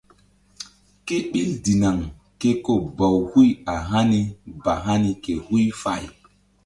Kéɓil dinaŋ ke ko baw huy a hani ba hani ke huy fay.